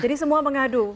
jadi semua mengadu